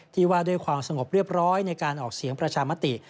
ว่าด้วยความสงบเรียบร้อยในการออกเสียงประชามติ